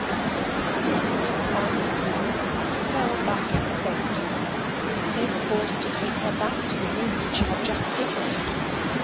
Miss Crawley gave a final scream, and fell back in a faint. They were forced to take her back to the room which she had just quitted.